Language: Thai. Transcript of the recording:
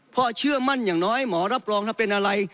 เพราะเชื่อมั่นอย่างน้อยหมอรับรองถ้าเป็นอะไร